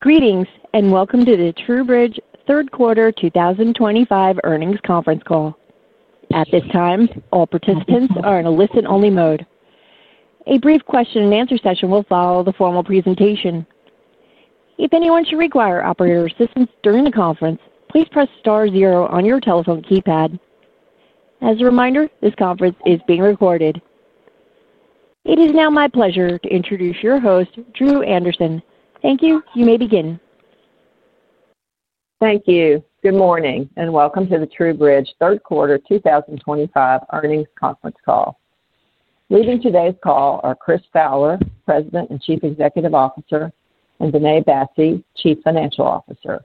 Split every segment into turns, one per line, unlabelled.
Greetings and welcome to the TruBridge Q3 2025 earnings conference call. At this time, all participants are in a listen-only mode. A brief question-and-answer session will follow the formal presentation. If anyone should require operator assistance during the conference, please press star zero on your telephone keypad. As a reminder, this conference is being recorded. It is now my pleasure to introduce your host, Drew Anderson. Thank you. You may begin.
Thank you. Good morning and welcome to the TruBridge Q3 2025 earnings conference call. Leading today's call are Chris Fowler, President and Chief Executive Officer, and Vinay Bassi, Chief Financial Officer.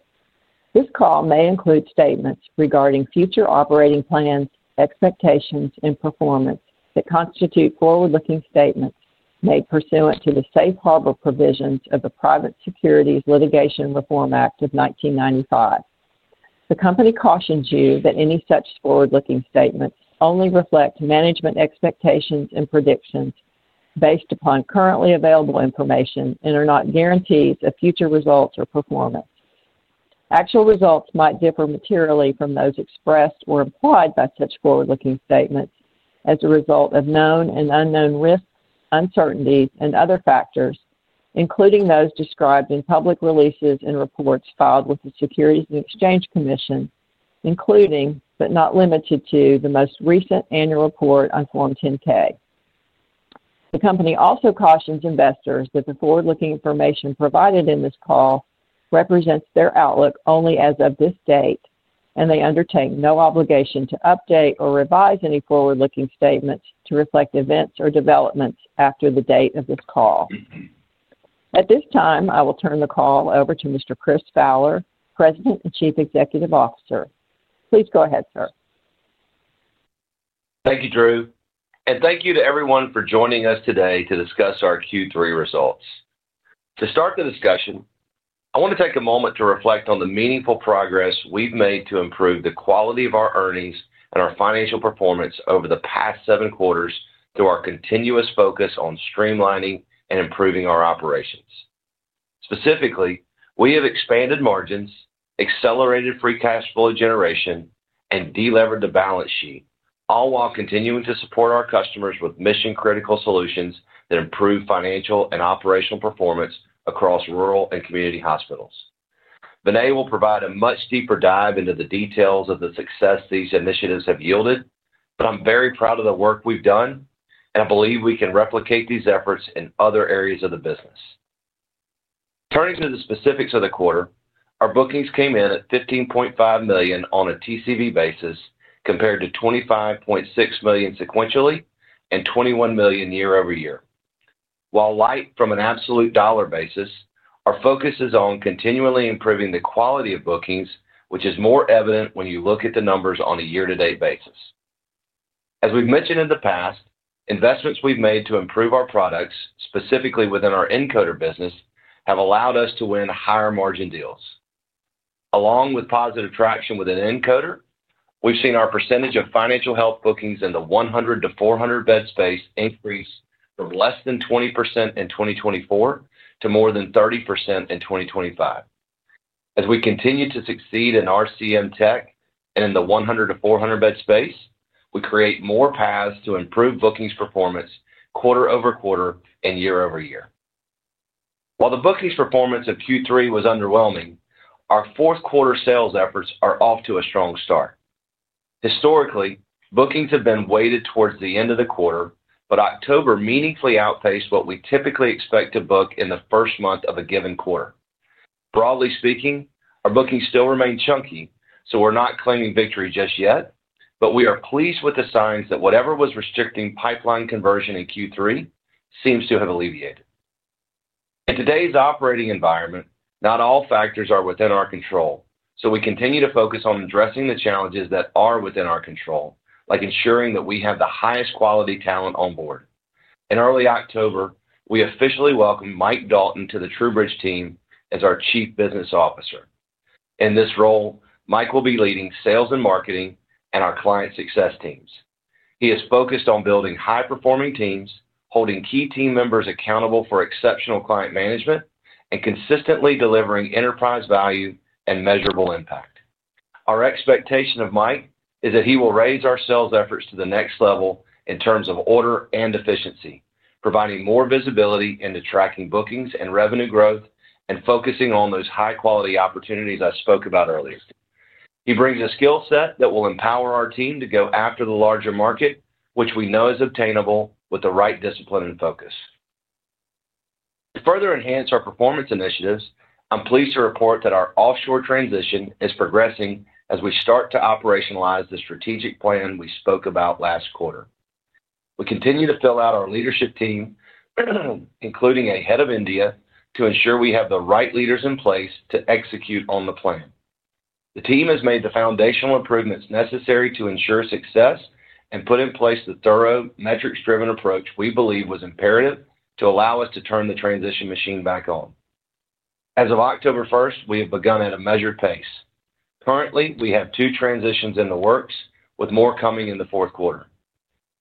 This call may include statements regarding future operating plans, expectations, and performance that constitute forward-looking statements made pursuant to the safe harbor provisions of the Private Securities Litigation Reform Act of 1995. The company cautions you that any such forward-looking statements only reflect management expectations and predictions based upon currently available information and are not guarantees of future results or performance. Actual results might differ materially from those expressed or implied by such forward-looking statements as a result of known and unknown risks, uncertainties, and other factors, including those described in public releases and reports filed with the Securities and Exchange Commission, including, but not limited to, the most recent annual report on Form 10-K. The company also cautions investors that the forward-looking information provided in this call represents their outlook only as of this date, and they undertake no obligation to update or revise any forward-looking statements to reflect events or developments after the date of this call. At this time, I will turn the call over to Mr. Chris Fowler, President and Chief Executive Officer. Please go ahead, sir.
Thank you, Drew. Thank you to everyone for joining us today to discuss our Q3 results. To start the discussion, I want to take a moment to reflect on the meaningful progress we've made to improve the quality of our earnings and our financial performance over the past seven quarters through our continuous focus on streamlining and improving our operations. Specifically, we have expanded margins, accelerated free cash flow generation, and delevered the balance sheet, all while continuing to support our customers with mission-critical solutions that improve financial and operational performance across rural and community hospitals. Vinay will provide a much deeper dive into the details of the success these initiatives have yielded, but I'm very proud of the work we've done, and I believe we can replicate these efforts in other areas of the business. Turning to the specifics of the quarter, our bookings came in at $15.5 million on a TCV basis compared to $25.6 million sequentially and $21 million year-over-year. While light from an absolute dollar basis, our focus is on continually improving the quality of bookings, which is more evident when you look at the numbers on a year-to-date basis. As we've mentioned in the past, investments we've made to improve our products, specifically within our Encoder business, have allowed us to win higher margin deals. Along with positive traction within Encoder, we've seen our percentage of Financial Health bookings in the 100-400 bed space increase from less than 20% in 2024 to more than 30% in 2025. As we continue to succeed in RCM tech and in the 100-400 bed space, we create more paths to improve bookings performance quarter-over-quarter and year-over-year. While the bookings performance of Q3 was underwhelming, our fourth quarter sales efforts are off to a strong start. Historically, bookings have been weighted towards the end of the quarter, but October meaningfully outpaced what we typically expect to book in the first month of a given quarter. Broadly speaking, our bookings still remain chunky, so we're not claiming victory just yet, but we are pleased with the signs that whatever was restricting pipeline conversion in Q3 seems to have alleviated. In today's operating environment, not all factors are within our control, so we continue to focus on addressing the challenges that are within our control, like ensuring that we have the highest quality talent on board. In early October, we officially welcomed Mike Dalton to the TruBridge team as our Chief Business Officer. In this role, Mike will be leading sales and marketing and our client success teams. He is focused on building high-performing teams, holding key team members accountable for exceptional client management, and consistently delivering enterprise value and measurable impact. Our expectation of Mike is that he will raise our sales efforts to the next level in terms of order and efficiency, providing more visibility into tracking bookings and revenue growth and focusing on those high-quality opportunities I spoke about earlier. He brings a skill set that will empower our team to go after the larger market, which we know is obtainable with the right discipline and focus. To further enhance our performance initiatives, I'm pleased to report that our offshore transition is progressing as we start to operationalize the strategic plan we spoke about last quarter. We continue to fill out our leadership team, including a head of India, to ensure we have the right leaders in place to execute on the plan. The team has made the foundational improvements necessary to ensure success and put in place the thorough, metrics-driven approach we believe was imperative to allow us to turn the transition machine back on. As of October 1st, we have begun at a measured pace. Currently, we have two transitions in the works, with more coming in the fourth quarter.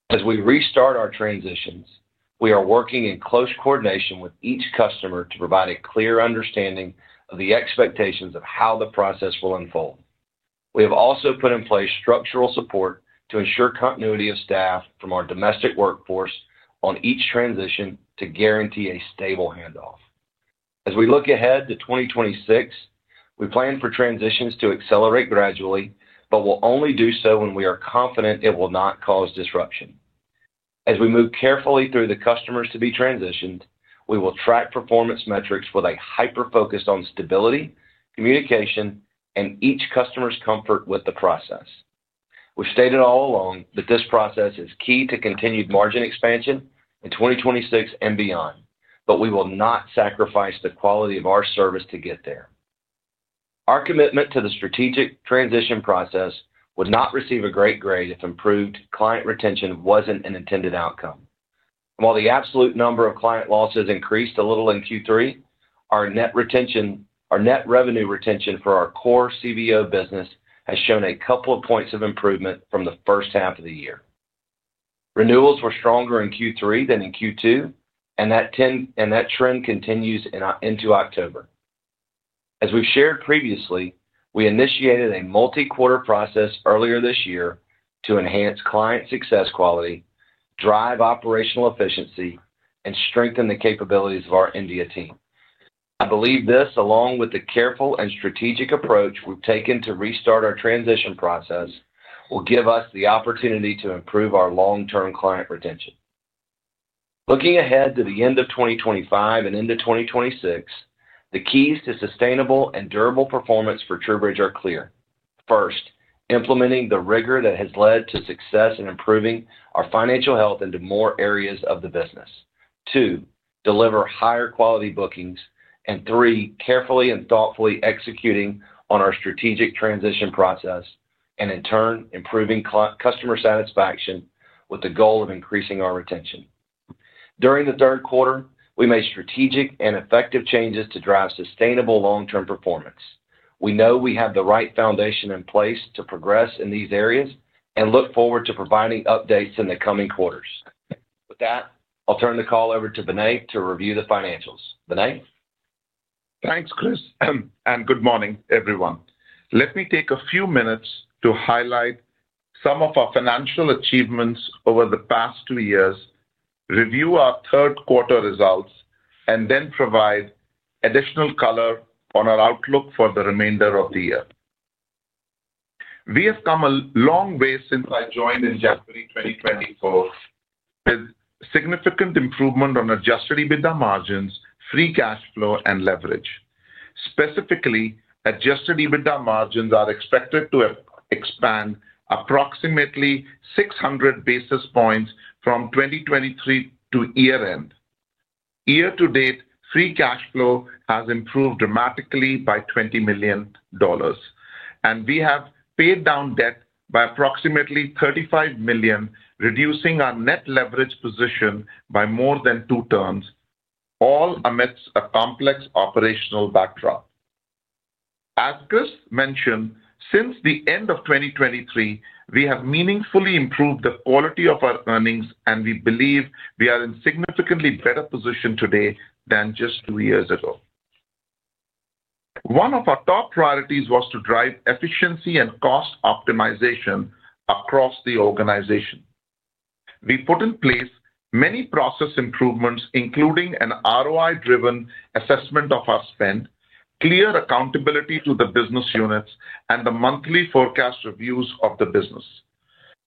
As we restart our transitions, we are working in close coordination with each customer to provide a clear understanding of the expectations of how the process will unfold. We have also put in place structural support to ensure continuity of staff from our domestic workforce on each transition to guarantee a stable handoff. As we look ahead to 2026, we plan for transitions to accelerate gradually, but will only do so when we are confident it will not cause disruption. As we move carefully through the customers to be transitioned, we will track performance metrics with a hyper-focus on stability, communication, and each customer's comfort with the process. We've stated all along that this process is key to continued margin expansion in 2026 and beyond, but we will not sacrifice the quality of our service to get there. Our commitment to the strategic transition process would not receive a great grade if improved client retention was not an intended outcome. While the absolute number of client losses increased a little in Q3, our net revenue retention for our core CBO business has shown a couple of points of improvement from the first half of the year. Renewals were stronger in Q3 than in Q2, and that trend continues into October. As we've shared previously, we initiated a multi-quarter process earlier this year to enhance client success quality, drive operational efficiency, and strengthen the capabilities of our India team. I believe this, along with the careful and strategic approach we've taken to restart our transition process, will give us the opportunity to improve our long-term client retention. Looking ahead to the end of 2025 and into 2026, the keys to sustainable and durable performance for TruBridge are clear. First, implementing the rigor that has led to success in improving our financial health into more areas of the business. Two, deliver higher quality bookings and three, carefully and thoughtfully executing on our strategic transition process and, in turn, improving customer satisfaction with the goal of increasing our retention. During the third quarter, we made strategic and effective changes to drive sustainable long-term performance. We know we have the right foundation in place to progress in these areas and look forward to providing updates in the coming quarters. With that, I'll turn the call over to Vinay to review the financials. Vinay.
Thanks, Chris. Good morning, everyone. Let me take a few minutes to highlight some of our financial achievements over the past two years, review our third quarter results, and then provide additional color on our outlook for the remainder of the year. We have come a long way since I joined in January 2024 with significant improvement on adjusted EBITDA margins, free cash flow, and leverage. Specifically, adjusted EBITDA margins are expected to expand approximately 600 basis points from 2023 to year-end. Year-to-date, free cash flow has improved dramatically by $20 million, and we have paid down debt by approximately $35 million, reducing our net leverage position by more than two turns, all amidst a complex operational backdrop. As Chris mentioned, since the end of 2023, we have meaningfully improved the quality of our earnings, and we believe we are in a significantly better position today than just two years ago. One of our top priorities was to drive efficiency and cost optimization across the organization. We put in place many process improvements, including an ROI-driven assessment of our spend, clear accountability to the business units, and the monthly forecast reviews of the business.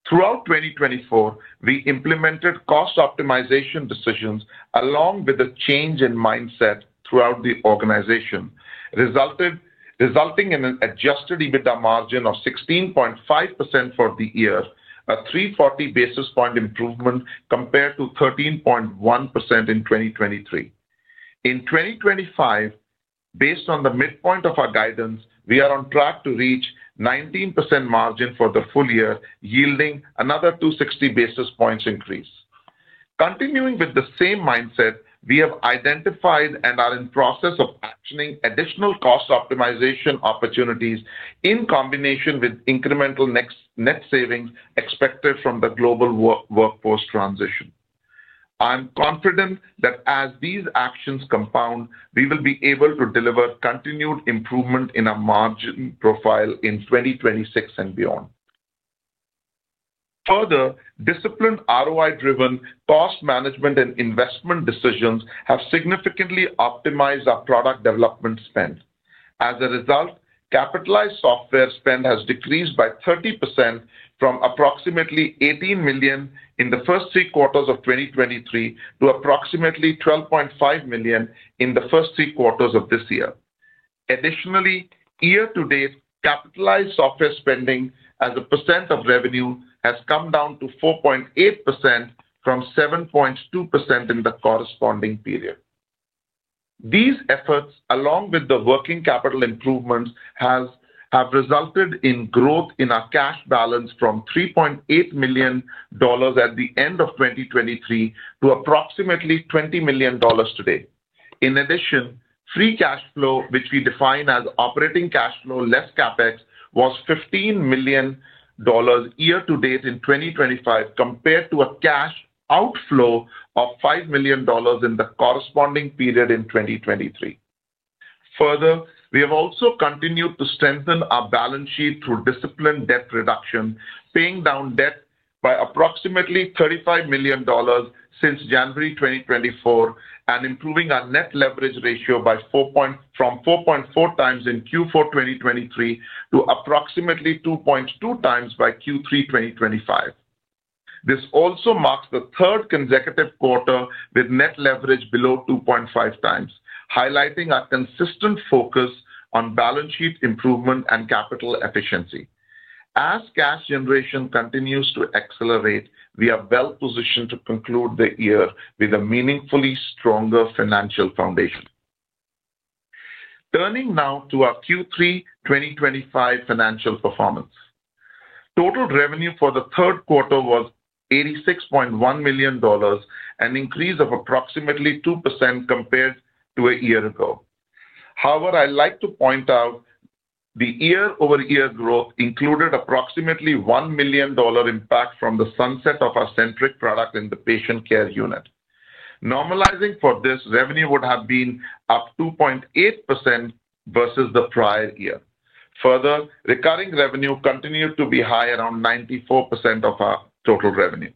Throughout 2024, we implemented cost optimization decisions along with a change in mindset throughout the organization, resulting in an adjusted EBITDA margin of 16.5% for the year, a 340 basis point improvement compared to 13.1% in 2023. In 2025, based on the midpoint of our guidance, we are on track to reach 19% margin for the full year, yielding another 260 basis points increase. Continuing with the same mindset, we have identified and are in the process of actioning additional cost optimization opportunities in combination with incremental net savings expected from the global workforce transition. I'm confident that as these actions compound, we will be able to deliver continued improvement in our margin profile in 2026 and beyond. Further, disciplined ROI-driven cost management and investment decisions have significantly optimized our product development spend. As a result, capitalized software spend has decreased by 30% from approximately $18 million in the first three quarters of 2023 to approximately $12.5 million in the first three quarters of this year. Additionally, year-to-date, capitalized software spending as a percent of revenue has come down to 4.8% from 7.2% in the corresponding period. These efforts, along with the working capital improvements, have resulted in growth in our cash balance from $3.8 million at the end of 2023 to approximately $20 million today. In addition, free cash flow, which we define as operating cash flow less CapEx, was $15 million year-to-date in 2025 compared to a cash outflow of $5 million in the corresponding period in 2023. Further, we have also continued to strengthen our balance sheet through disciplined debt reduction, paying down debt by approximately $35 million since January 2024, and improving our net leverage ratio from 4.4x in Q4 2023 to approximately 2.2x by Q3 2025. This also marks the third consecutive quarter with net leverage below 2.5x, highlighting our consistent focus on balance sheet improvement and capital efficiency. As cash generation continues to accelerate, we are well-positioned to conclude the year with a meaningfully stronger financial foundation. Turning now to our Q3 2025 financial performance. Total revenue for the third quarter was $86.1 million, an increase of approximately 2% compared to a year ago. However, I'd like to point out the year-over-year growth included approximately $1 million impact from the sunset of our Centric product in the patient care unit. Normalizing for this, revenue would have been up 2.8% versus the prior year. Further, recurring revenue continued to be high, around 94% of our total revenue.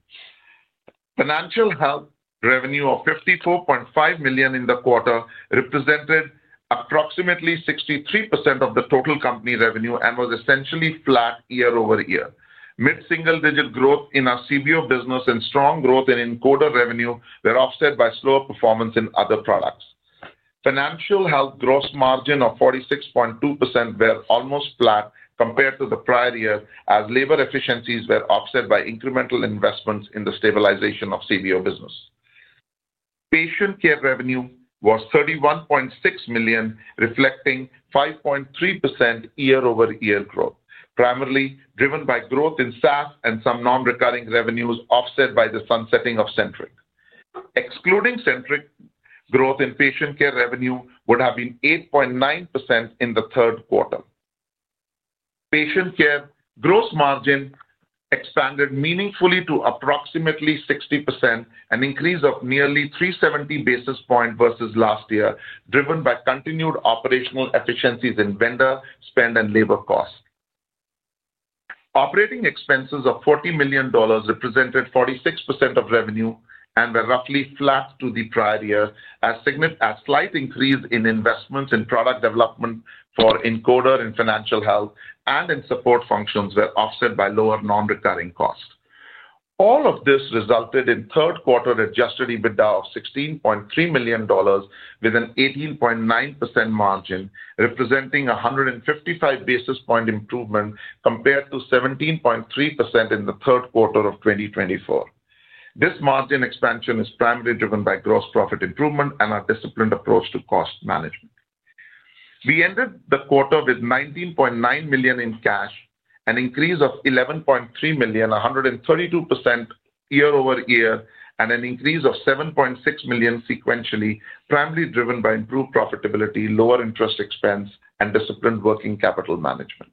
Financial health revenue of $54.5 million in the quarter represented approximately 63% of the total company revenue and was essentially flat year-over-year. Mid-single-digit growth in our CBO business and strong growth in Encoder revenue were offset by slower performance in other products. Financial health gross margin of 46.2% was almost flat compared to the prior year, as labor efficiencies were offset by incremental investments in the stabilization of CBO business. Patient care revenue was $31.6 million, reflecting 5.3% year-over-year growth, primarily driven by growth in SaaS and some non-recurring revenues offset by the sunsetting of Centric. Excluding Centric, growth in patient care revenue would have been 8.9% in the third quarter. Patient care gross margin expanded meaningfully to approximately 60%, an increase of nearly 370 basis points versus last year, driven by continued operational efficiencies in vendor spend and labor costs. Operating expenses of $40 million represented 46% of revenue and were roughly flat to the prior year, as a slight increase in investments in product development for Encoder and Financial Health and in support functions were offset by lower non-recurring costs. All of this resulted in third-quarter adjusted EBITDA of $16.3 million with an 18.9% margin, representing a 155 basis point improvement compared to 17.3% in the third quarter of 2024. This margin expansion is primarily driven by gross profit improvement and our disciplined approach to cost management. We ended the quarter with $19.9 million in cash, an increase of $11.3 million, 132% year-over-year, and an increase of $7.6 million sequentially, primarily driven by improved profitability, lower interest expense, and disciplined working capital management.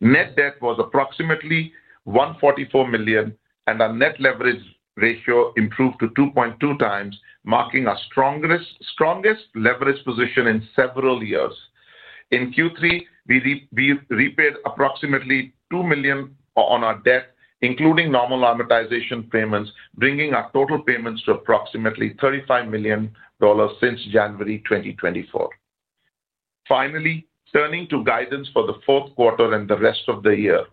Net debt was approximately $144 million, and our net leverage ratio improved to 2.2x, marking our strongest leverage position in several years. In Q3, we repaid approximately $2 million on our debt, including normal amortization payments, bringing our total payments to approximately $35 million since January 2024. Finally, turning to guidance for the fourth quarter and the rest of the year.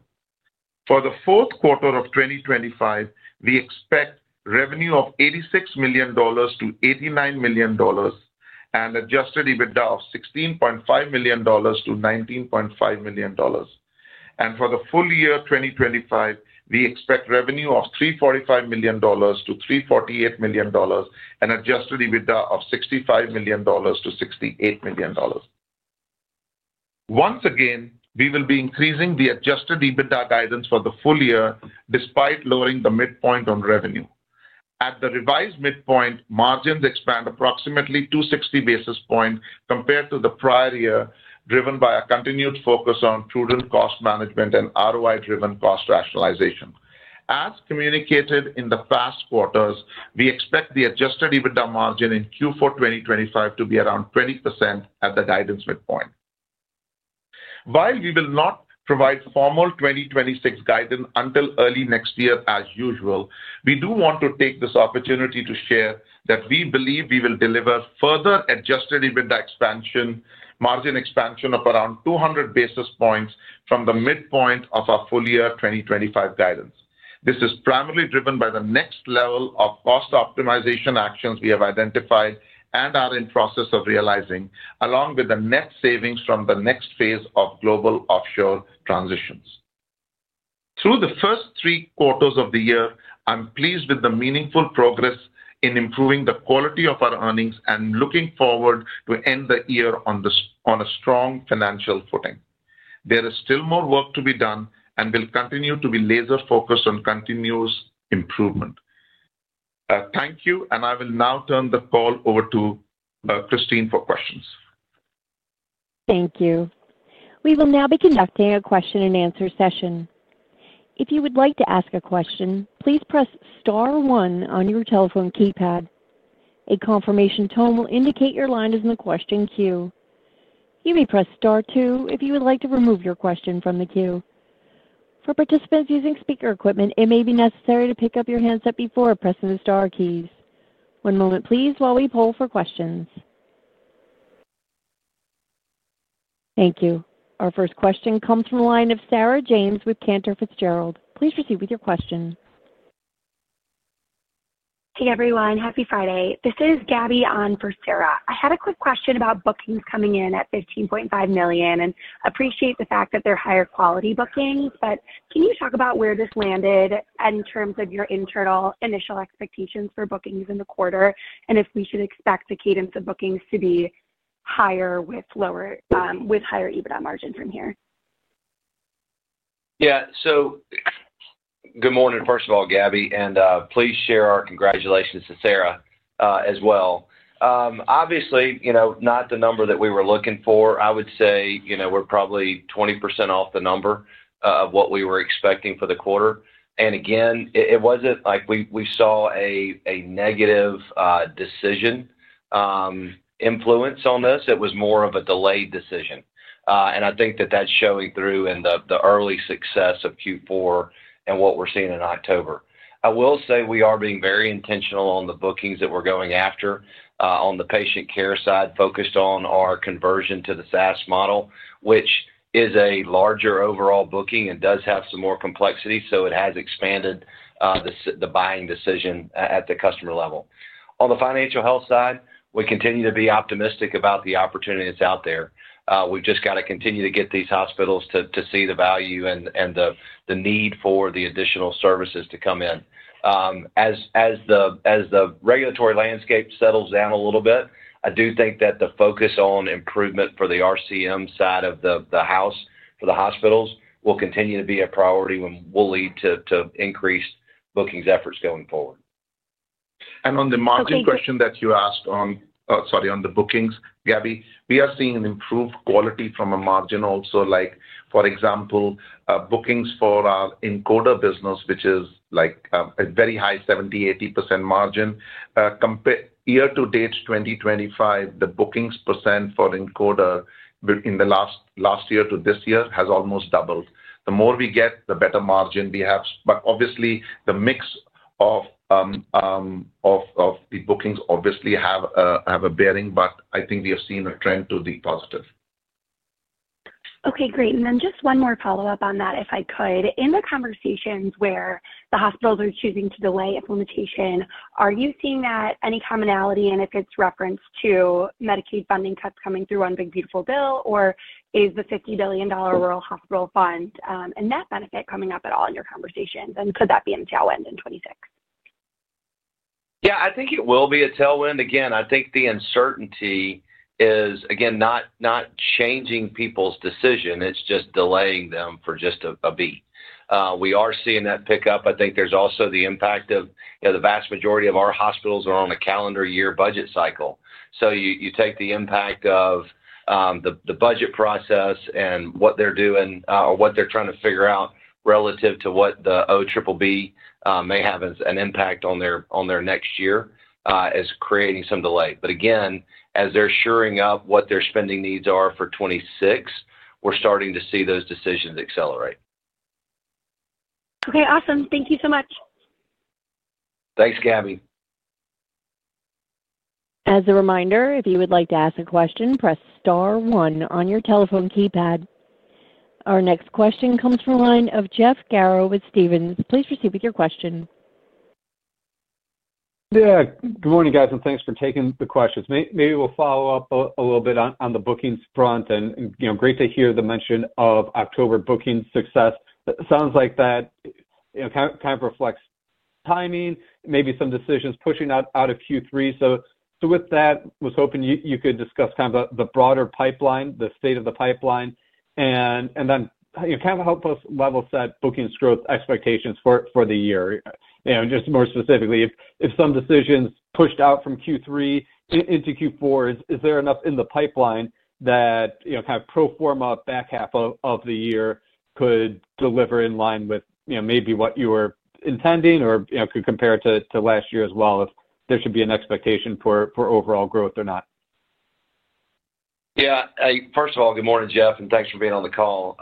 For the fourth quarter of 2025, we expect revenue of $86 million-$89 million and adjusted EBITDA of $16.5 million-$19.5 million. For the full year 2025, we expect revenue of $345 million-$348 million and adjusted EBITDA of $65 million-$68 million. Once again, we will be increasing the adjusted EBITDA guidance for the full year despite lowering the midpoint on revenue. At the revised midpoint, margins expand approximately 260 basis points compared to the prior year, driven by a continued focus on prudent cost management and ROI-driven cost rationalization. As communicated in the past quarters, we expect the adjusted EBITDA margin in Q4 2025 to be around 20% at the guidance midpoint. While we will not provide formal 2026 guidance until early next year, as usual, we do want to take this opportunity to share that we believe we will deliver further adjusted EBITDA expansion, margin expansion of around 200 basis points from the midpoint of our full year 2025 guidance. This is primarily driven by the next level of cost optimization actions we have identified and are in the process of realizing, along with the net savings from the next phase of global offshore transitions. Through the first three quarters of the year, I'm pleased with the meaningful progress in improving the quality of our earnings and looking forward to end the year on a strong financial footing. There is still more work to be done and will continue to be laser-focused on continuous improvement. Thank you, and I will now turn the call over to Christine for questions.
Thank you. We will now be conducting a question-and-answer session. If you would like to ask a question, please press star one on your telephone keypad. A confirmation tone will indicate your line is in the question queue. You may press star two if you would like to remove your question from the queue. For participants using speaker equipment, it may be necessary to pick up your handset before pressing the Star keys. One moment, please, while we poll for questions. Thank you. Our first question comes from the line of Sarah James with Cantor Fitzgerald. Please proceed with your question.
Hey, everyone. Happy Friday. This is Gabie on for Sarah. I had a quick question about bookings coming in at $15.5 million and appreciate the fact that they're higher-quality bookings, but can you talk about where this landed in terms of your internal initial expectations for bookings in the quarter and if we should expect the cadence of bookings to be higher with higher EBITDA margin from here?
Yeah. Good morning, first of all, Gabie, and please share our congratulations to Sarah as well. Obviously, not the number that we were looking for. I would say we're probably 20% off the number of what we were expecting for the quarter. It was not like we saw a negative decision influence on this, it was more of a delayed decision. I think that that's showing through in the early success of Q4 and what we're seeing in October. I will say we are being very intentional on the bookings that we're going after on the patient care side, focused on our conversion to the SaaS model, which is a larger overall booking and does have some more complexity, so it has expanded the buying decision at the customer level. On the financial health side, we continue to be optimistic about the opportunity that's out there. We've just got to continue to get these hospitals to see the value and the need for the additional services to come in. As the regulatory landscape settles down a little bit, I do think that the focus on improvement for the RCM side of the house for the hospitals will continue to be a priority and will lead to increased bookings efforts going forward.
On the margin question that you asked on, sorry, on the bookings, Gabie, we are seeing an improved quality from a margin also. For example, bookings for our Encoder business, which is a very high 70%, 80% margin, year-to-date 2025, the bookings percent for Encoder in the last year to this year has almost doubled. The more we get, the better margin we have. Obviously, the mix of the bookings obviously have a bearing, but I think we have seen a trend to the positive.
Okay. Great. Just one more follow-up on that, if I could. In the conversations where the hospitals are choosing to delay implementation, are you seeing any commonality, and if it's reference to Medicaid funding cuts coming through on Big Beautiful Bill, or is the $50 billion rural hospital fund a net benefit coming up at all in your conversations? Could that be a tailwind in 2026?
Yeah. I think it will be a tailwind. Again, I think the uncertainty is, again, not changing people's decision. It's just delaying them for just a beat. We are seeing that pick up. I think there's also the impact of the vast majority of our hospitals are on a calendar year budget cycle. You take the impact of the budget process and what they're doing or what they're trying to figure out relative to what the OBBB may have as an impact on their next year is creating some delay. Again, as they're shoring up what their spending needs are for 2026, we're starting to see those decisions accelerate.
Okay. Awesome. Thank you so much.
Thanks, Gabie.
As a reminder, if you would like to ask a question, press star one on your telephone keypad. Our next question comes from the line of Jeff Garro with Stephens. Please proceed with your question.
Yeah. Good morning, guys, and thanks for taking the questions. Maybe we'll follow up a little bit on the bookings front. Great to hear the mention of October booking success. Sounds like that kind of reflects timing, maybe some decisions pushing out of Q3. With that, I was hoping you could discuss kind of the broader pipeline, the state of the pipeline, and then kind of help us level set bookings growth expectations for the year. Just more specifically, if some decisions pushed out from Q3 into Q4, is there enough in the pipeline that kind of pro forma back half of the year could deliver in line with maybe what you were intending or could compare it to last year as well if there should be an expectation for overall growth or not?
Yeah. First of all, good morning, Jeff, and thanks for being on the call.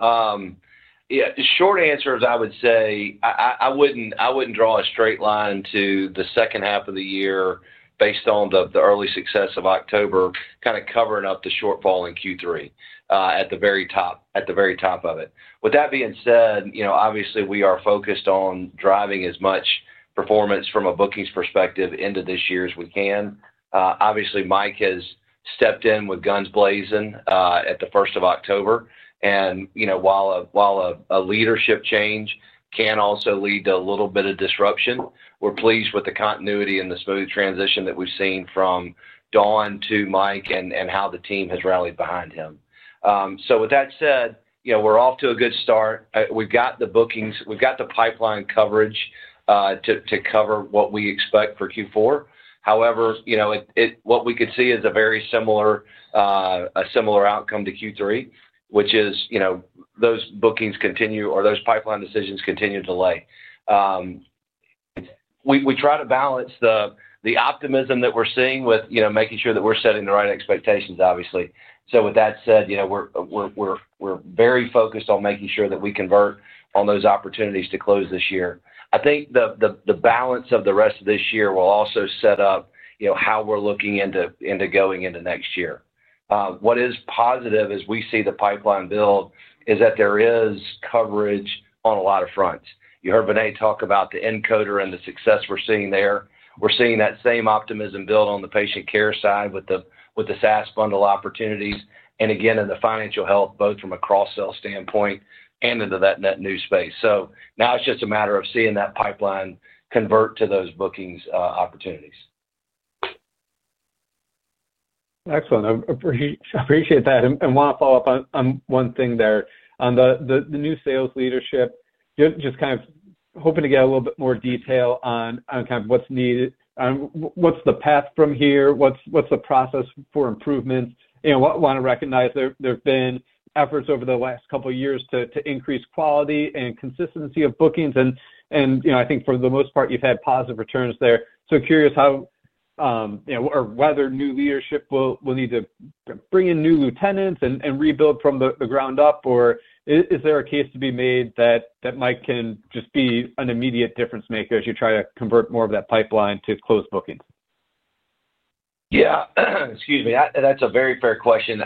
Short answers, I would say I would not draw a straight line to the second half of the year based on the early success of October kind of covering up the shortfall in Q3 at the very top of it. With that being said, obviously, we are focused on driving as much performance from a bookings perspective into this year as we can. Obviously, Mike has stepped in with guns blazing at October 1st. And while a leadership change can also lead to a little bit of disruption, we are pleased with the continuity and the smooth transition that we have seen from Dawn to Mike and how the team has rallied behind him. With that said, we are off to a good start. We've got the bookings, we've got the pipeline coverage to cover what we expect for Q4. However, what we could see is a very similar outcome to Q3, which is those bookings continue or those pipeline decisions continue to delay. We try to balance the optimism that we're seeing with making sure that we're setting the right expectations, obviously. With that said, we're very focused on making sure that we convert on those opportunities to close this year. I think the balance of the rest of this year will also set up how we're looking into going into next year. What is positive as we see the pipeline build is that there is coverage on a lot of fronts. You heard Vinay talk about the Encoder and the success we're seeing there. We're seeing that same optimism build on the patient care side with the SaaS bundle opportunities and, again, in the financial health, both from a cross-sale standpoint and into that net new space. Now it's just a matter of seeing that pipeline convert to those bookings opportunities.
Excellent. I appreciate that. I want to follow up on one thing there. On the new sales leadership, just kind of hoping to get a little bit more detail on kind of what's needed, what's the path from here, what's the process for improvement. I want to recognize there have been efforts over the last couple of years to increase quality and consistency of bookings. I think for the most part, you've had positive returns there. Curious how or whether new leadership will need to bring in new lieutenants and rebuild from the ground up, or is there a case to be made that Mike can just be an immediate difference maker as you try to convert more of that pipeline to closed bookings?
Yeah. Excuse me. That's a very fair question.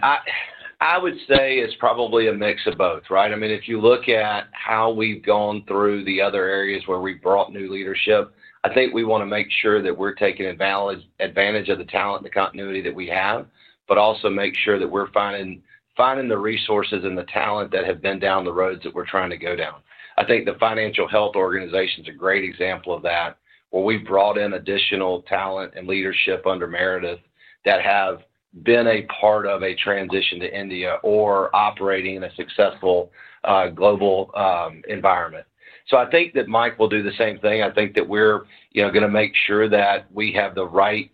I would say it's probably a mix of both, right? I mean, if you look at how we've gone through the other areas where we brought new leadership, I think we want to make sure that we're taking advantage of the talent and the continuity that we have, but also make sure that we're finding the resources and the talent that have been down the roads that we're trying to go down. I think the financial health organization is a great example of that, where we've brought in additional talent and leadership under Meredith that have been a part of a transition to India or operating in a successful global environment. I think that Mike will do the same thing. I think that we're going to make sure that we have the right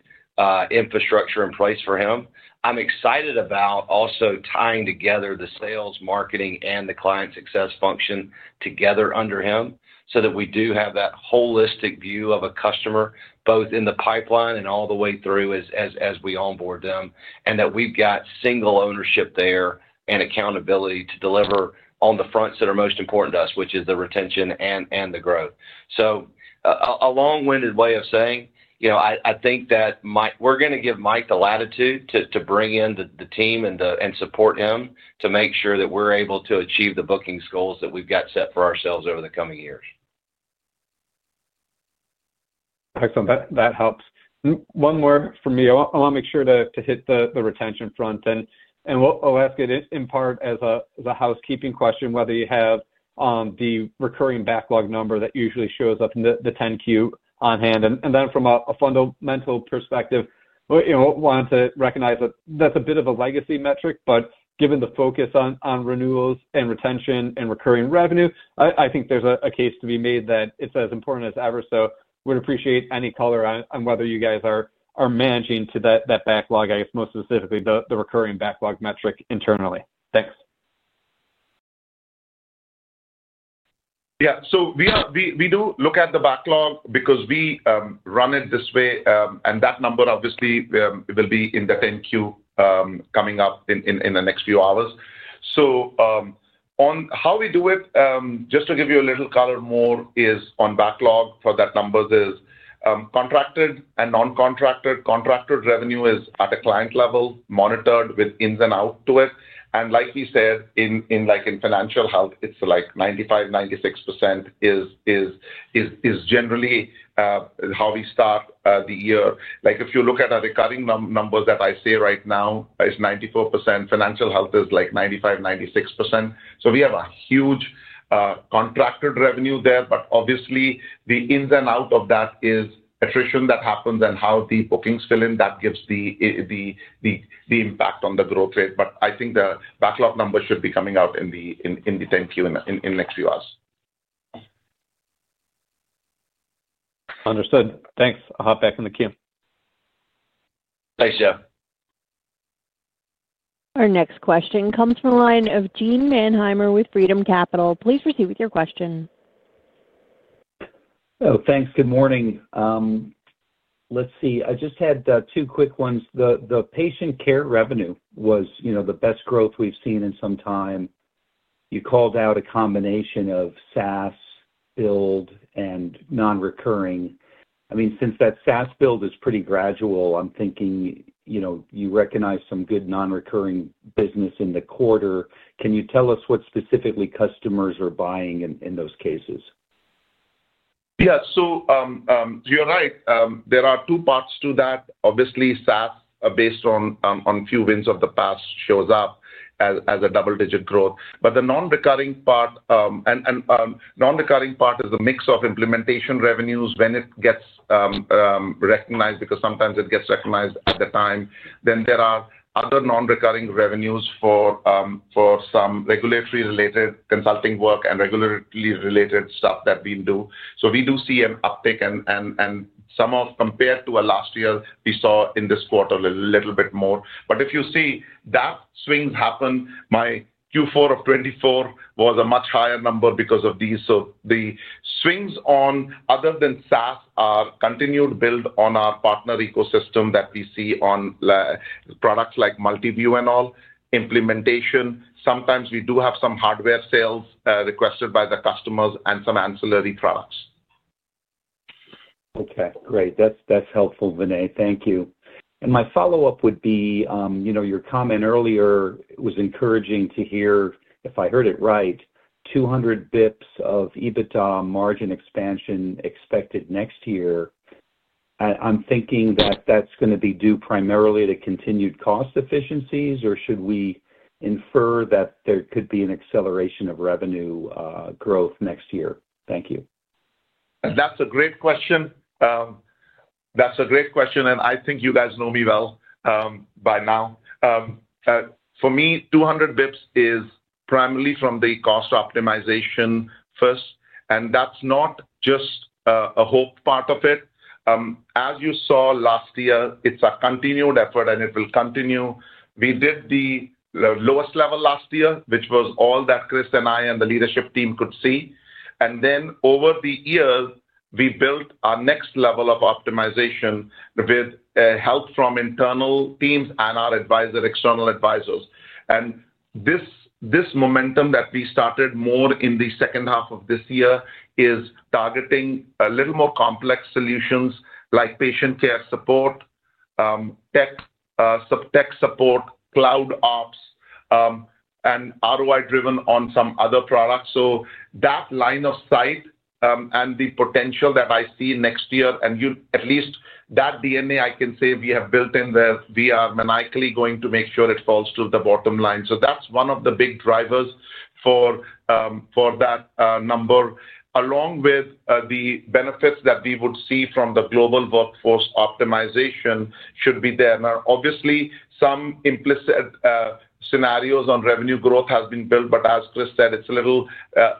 infrastructure in place for him. I'm excited about also tying together the sales, marketing, and the client success function together under him so that we do have that holistic view of a customer both in the pipeline and all the way through as we onboard them, and that we've got single ownership there and accountability to deliver on the fronts that are most important to us, which is the retention and the growth. A long-winded way of saying, I think that we're going to give Mike the latitude to bring in the team and support him to make sure that we're able to achieve the bookings goals that we've got set for ourselves over the coming years.
Excellent. That helps. One more from me. I want to make sure to hit the retention front. I'll ask it in part as a housekeeping question, whether you have the recurring backlog number that usually shows up in the 10-Q on hand. From a fundamental perspective, I want to recognize that that's a bit of a legacy metric, but given the focus on renewals and retention and recurring revenue, I think there's a case to be made that it's as important as ever. We'd appreciate any color on whether you guys are managing to that backlog, I guess, most specifically the recurring backlog metric internally. Thanks.
Yeah. So we do look at the backlog because we run it this way, and that number, obviously, will be in the 10-Q coming up in the next few hours. On how we do it, just to give you a little color more, is on backlog for that number is contracted and non-contracted. Contracted revenue is at a client level, monitored with ins and outs to it. Like we said, in financial health, it's like 95-96% is generally how we start the year. If you look at our recurring numbers that I see right now, it's 94%, financial health is like 95%, 96%. So we have a huge contracted revenue there, but obviously, the ins and outs of that is attrition that happens and how the bookings fill in. That gives the impact on the growth rate. I think the backlog number should be coming out in the 10-Q in the next few hours.
Understood. Thanks. I'll hop back in the queue.
Thanks, Jeff.
Our next question comes from the line of Gene Mannheimer with Freedom Capital Markets. Please proceed with your question.
Thanks. Good morning. Let's see. I just had two quick ones. The patient care revenue was the best growth we've seen in some time. You called out a combination of SaaS, Build, and non-recurring. I mean, since that SaaS Build is pretty gradual, I'm thinking you recognize some good non-recurring business in the quarter. Can you tell us what specifically customers are buying in those cases?
Yeah. So you're right. There are two parts to that. Obviously, SaaS, based on a few wins of the past, shows up as a double-digit growth. The non-recurring part, and non-recurring part is the mix of implementation revenues when it gets recognized because sometimes it gets recognized at the time. There are other non-recurring revenues for some regulatory-related consulting work and regulatory-related stuff that we do. We do see an uptick, and compared to last year, we saw in this quarter a little bit more. If you see that swings happen, my Q4 of 2024 was a much higher number because of these. The swings on other than SaaS are continued build on our partner ecosystem that we see on products like Multiview and all implementation. Sometimes we do have some hardware sales requested by the customers and some ancillary products.
Okay. Great. That's helpful, Vinay. Thank you. My follow-up would be your comment earlier was encouraging to hear, if I heard it right, 200 basis points of EBITDA margin expansion expected next year. I'm thinking that that's going to be due primarily to continued cost efficiencies, or should we infer that there could be an acceleration of revenue growth next year? Thank you.
That's a great question. I think you guys know me well by now. For me, 200 basis points is primarily from the cost optimization first. That's not just a hope part of it. As you saw last year, it's a continued effort, and it will continue. We did the lowest level last year, which was all that Chris and I and the leadership team could see. Over the year, we built our next level of optimization with help from internal teams and our external advisors. This momentum that we started more in the second half of this year is targeting a little more complex solutions like patient care support, tech support, cloud ops, and ROI-driven on some other products. That line of sight and the potential that I see next year, and at least that DNA, I can say we have built in that we are maniacally going to make sure it falls to the bottom line. That is one of the big drivers for that number, along with the benefits that we would see from the global workforce optimization should be there. Now, obviously, some implicit scenarios on revenue growth have been built, but as Chris said, it's a little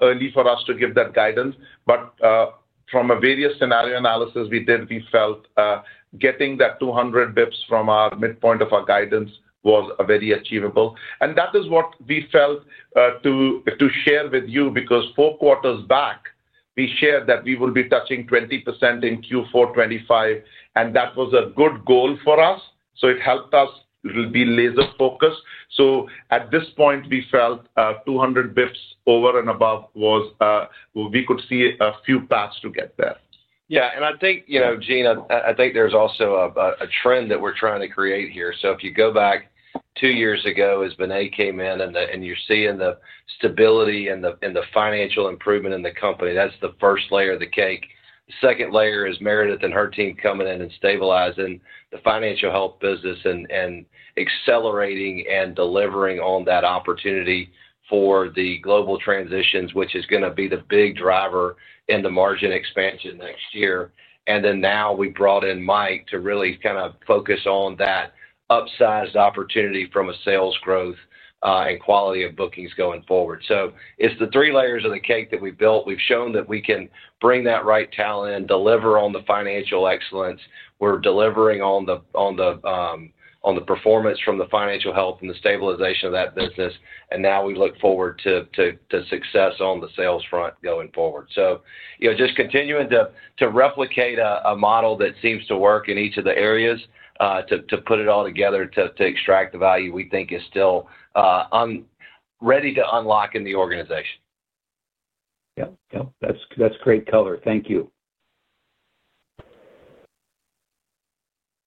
early for us to give that guidance. From a various scenario analysis we did, we felt getting that 200 basis points from our midpoint of our guidance was very achievable. That is what we felt to share with you because four quarters back, we shared that we will be touching 20% in Q4 2025, and that was a good goal for us, it helped us be laser-focused. At this point, we felt 200 basis points over and above was we could see a few paths to get there.
Yeah. I think, Gene, I think there's also a trend that we're trying to create here. If you go back two years ago as Vinay came in and you're seeing the stability and the financial improvement in the company, that's the first layer of the cake. The second layer is Meredith and her team coming in and stabilizing the financial health business and accelerating and delivering on that opportunity for the global transitions, which is going to be the big driver in the margin expansion next year. Now we brought in Mike to really kind of focus on that upsized opportunity from a sales growth and quality of bookings going forward. It's the three layers of the cake that we built. We've shown that we can bring that right talent in, deliver on the financial excellence. We're delivering on the performance from the financial health and the stabilization of that business. Now we look forward to success on the sales front going forward. Just continuing to replicate a model that seems to work in each of the areas to put it all together to extract the value we think is still ready to unlock in the organization.
Yep. Yep. That's great color. Thank you.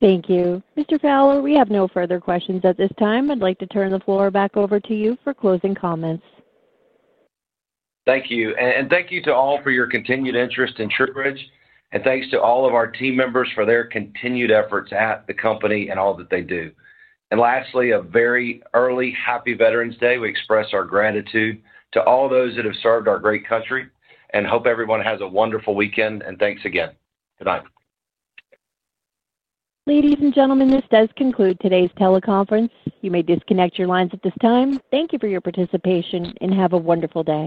Thank you. Mr. Fowler, we have no further questions at this time. I'd like to turn the floor back over to you for closing comments.
Thank you. Thank you to all for your continued interest in TruBridge. Thank you to all of our team members for their continued efforts at the company and all that they do. Lastly, a very early Happy Veterans Day. We express our gratitude to all those that have served our great country and hope everyone has a wonderful weekend. Thanks again. Good night.
Ladies and gentlemen, this does conclude today's teleconference. You may disconnect your lines at this time. Thank you for your participation and have a wonderful day.